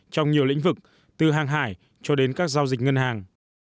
trong nhiều lĩnh vực từ hàng hải cho đến các giao dịch ngân hàng